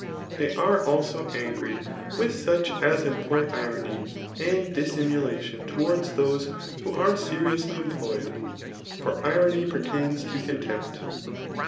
They j^e also angry mth ^ach as employ irony and dissimulatioln tQwarda thoee who are seriously employed } for irony peitaips to coo* tei^pt.